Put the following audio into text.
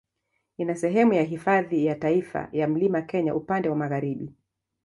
Ina sehemu ya Hifadhi ya Taifa ya Mlima Kenya upande wa magharibi.